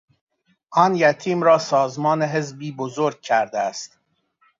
آن یتیم را سازمان حزبی بزرگ کرده است.